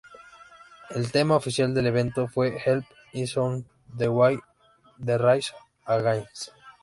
El tema oficial del evento fue ""Help Is On The Way"" de Rise Against.